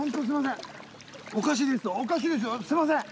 すいません